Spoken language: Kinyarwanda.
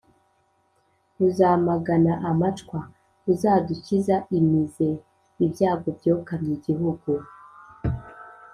buzamagana amacwa: uzadukiza imize, ibyago byokamye igihugu